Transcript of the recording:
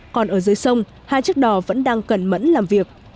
còn ở dưới sông hai chiếc đò vẫn đang cẩn mẫn làm việc